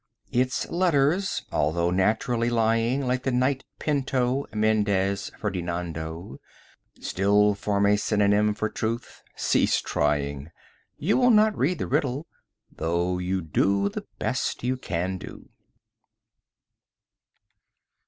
Its letters, although naturally lying Like the knight Pinto, Mendez Ferdinando, Still form a synonym for Truth. Cease trying! You will not read the riddle, though you do the best you can do.